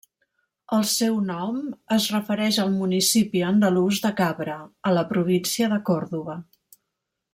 El seu nom es refereix al municipi andalús de Cabra, a la província de Còrdova.